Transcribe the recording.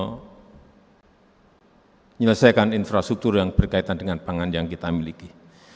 menyelesaikan infrastruktur yang berkaitan dengan pangan yang kita miliki